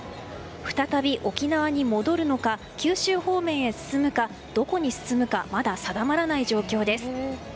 再び沖縄に戻るのか九州方面へ進むかどこに進むかまだ定まらない状況です。